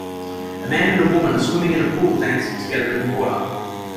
A man and a woman are swimming in a pool dancing together in the water.